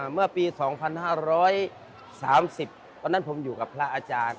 เมื่อปี๒๕๓๐ตอนนั้นผมอยู่กับพระอาจารย์